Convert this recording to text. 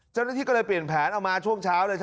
เจ้าหน้าที่ก็เลยเปลี่ยนแผนเอามาช่วงเช้าเลย